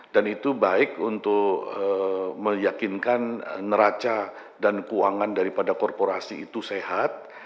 dan itu baik untuk meyakinkan neraca dan keuangan daripada korporasi itu sehat